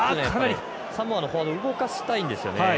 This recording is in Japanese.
サモアのフォワード動かしたいんですよね。